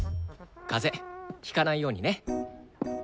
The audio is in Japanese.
風邪ひかないようにね。